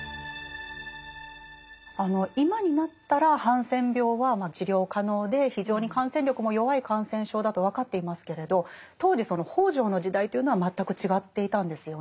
今になったらハンセン病は治療可能で非常に感染力も弱い感染症だと分かっていますけれど当時その北條の時代というのは全く違っていたんですよね。